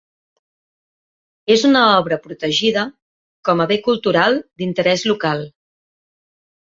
És una obra protegida com a bé cultural d'interès local.